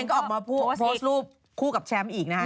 ก็ออกมาโพสต์รูปคู่กับแชมป์อีกนะคะ